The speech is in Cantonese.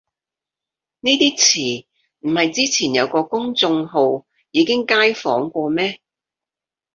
呢啲詞唔係之前有個公眾號已經街訪過咩